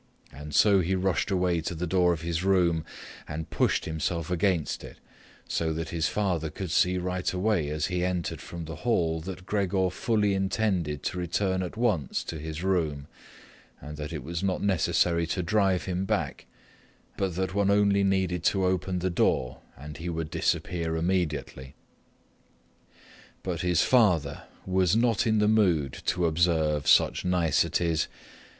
And so he rushed away to the door of his room and pushed himself against it, so that his father could see right away as he entered from the hall that Gregor fully intended to return at once to his room, that it was not necessary to drive him back, but that one only needed to open the door, and he would disappear immediately. But his father was not in the mood to observe such niceties.